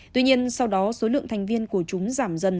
tuy nhiên sau đó số lượng thành viên của chúng giảm dần